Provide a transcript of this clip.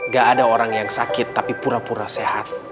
gak ada orang yang sakit tapi pura pura sehat